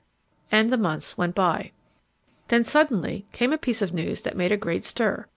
And the months went by .... Then suddenly came a piece of news that made a great stir.